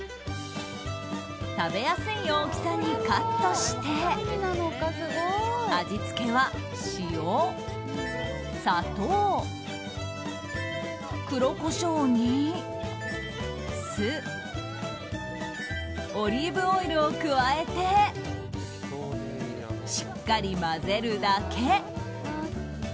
食べやすい大きさにカットして味付けは塩、砂糖、黒コショウに酢、オリーブオイルを加えてしっかり混ぜるだけ。